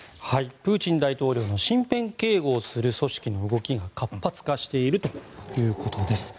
プーチン大統領の身辺警護をする組織の動きが活発化しているということです。